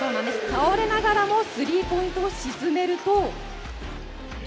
倒れながらもスリーポイントを沈めると。